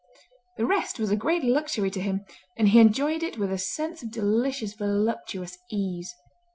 The rest was a great luxury to him, and he enjoyed it with a sense of delicious, voluptuous ease.